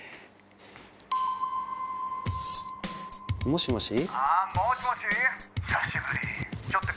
もしもし。